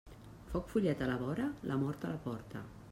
Foc follet a la vora, la mort a la porta.